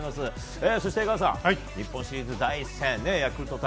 そして江川さん日本シリーズ第１戦ヤクルト対